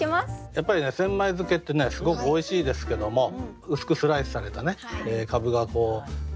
やっぱり千枚漬けってねすごくおいしいですけども薄くスライスされたかぶが積み重なってて